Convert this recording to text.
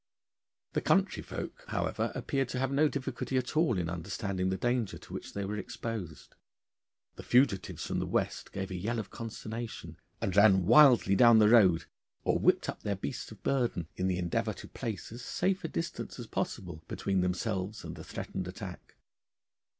The country folk, however, appeared to have no difficulty at all in understanding the danger to which they were exposed. The fugitives from the West gave a yell of consternation, and ran wildly down the road or whipped up their beasts of burden in the endeavour to place as safe a distance as possible between themselves and the threatened attack.